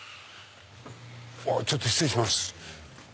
ちょっと失礼します。